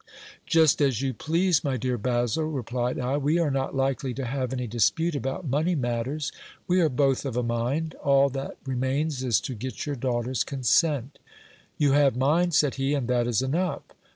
Just as you please, my dear Basil, replied I ; we are not likely to have any THE LOVES OF GIL BLAS AND ANTONIA. 359 dispute about money matters. We are both of a mind ; all that remains is to get your daughter's consent You have mine, said he, and that is enough.